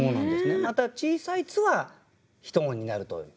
また小さい「っ」は一音になるという。